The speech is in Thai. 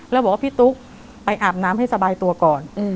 แล้วบอกว่าพี่ตุ๊กไปอาบน้ำให้สบายตัวก่อน